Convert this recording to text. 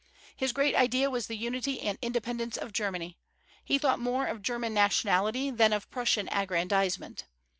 His great idea was the unity and independence of Germany. He thought more of German nationality than of Prussian aggrandizement.